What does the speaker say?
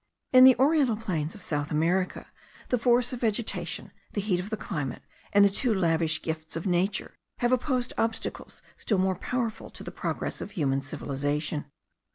In the oriental plains of South America, the force of vegetation, the heat of the climate, and the too lavish gifts of nature, have opposed obstacles still more powerful to the progress of human civilization.